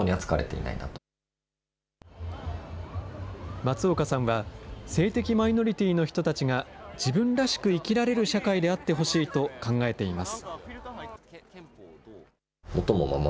松岡さんは性的マイノリティーの人たちが、自分らしく生きられる社会であってほしいと考えています。